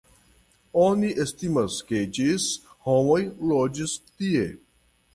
Oni estimas, ke ĝis homoj loĝis tie.